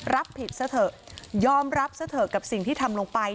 รับผิดซะเถอะยอมรับซะเถอะกับสิ่งที่ทำลงไป